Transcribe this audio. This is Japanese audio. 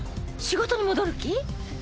仕事に戻る気？